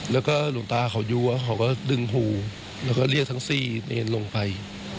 แล้วก็หลวงตาเขาอยู่เขาก็ดึงหูแล้วก็เรียกทั้งสี่เนรลงไป